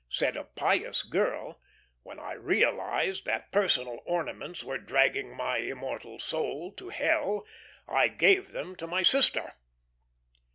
Said a pious girl, "When I realized that personal ornaments were dragging my immortal soul to hell, I gave them to my sister."